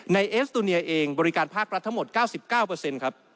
เอสตูเนียเองบริการภาครัฐทั้งหมด๙๙ครับ